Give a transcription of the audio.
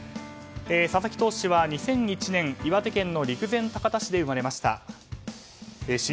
佐々木投手は２００１年岩手県陸前高田市で生まれました。